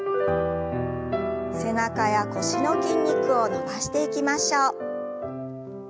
背中や腰の筋肉を伸ばしていきましょう。